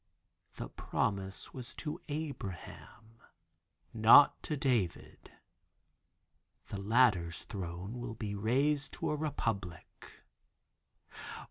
"The promise was to Abraham, not to David. The latter's throne will be raised to a republic."